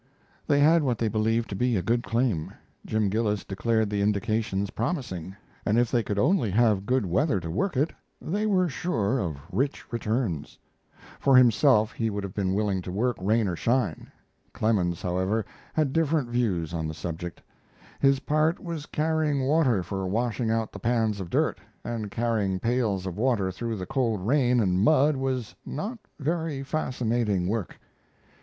They had what they believed to be a good claim. Jim Gillis declared the indications promising, and if they could only have good weather to work it, they were sure of rich returns. For himself, he would have been willing to work, rain or shine. Clemens, however, had different views on the subject. His part was carrying water for washing out the pans of dirt, and carrying pails of water through the cold rain and mud was not very fascinating work.